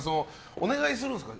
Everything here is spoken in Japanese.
お願いするんですか？